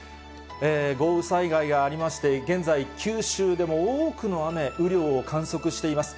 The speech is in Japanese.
豪雨災害がありまして、現在、九州でも多くの雨、雨量を観測しています。